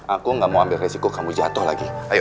aku gak mau ambil resiko kamu jatuh lagi